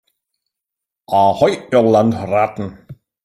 Ahoi, ihr Landratten